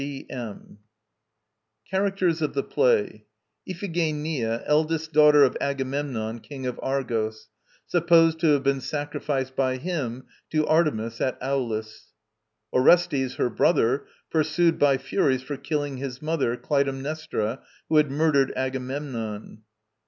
G. M. CHARACTERS OF THE PLAY IPHIGENIA, eldest daughter of Agamemnon, King of Argos; supposed to have been sacrificed by him to Artemis at Aulis. ORESTES, her brother; pursued by Furies for killing his mother, Clytemnestra, who had murdered Agamemnon.